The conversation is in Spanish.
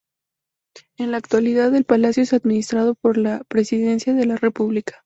En la actualidad, el Palacio es administrado por la presidencia de la República.